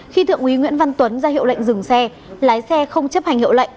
khi thượng úy nguyễn văn tuấn ra hiệu lệnh dừng xe lái xe không chấp hành hiệu lệnh